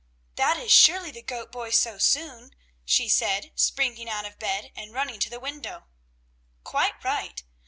"That is surely the goat boy so soon," she said, springing out of bed and running to the window. Quite right.